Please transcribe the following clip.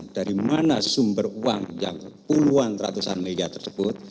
dari mana sumber uang yang puluhan ratusan miliar tersebut